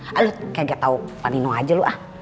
kayak gak tau pak nino aja lu ah